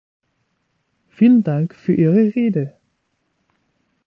Vielen Dank für Ihre Rede!